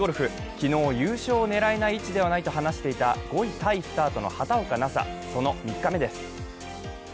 昨日優勝を狙えない位置ではないと話していた５位タイスタートの畑岡奈紗、その３日目です。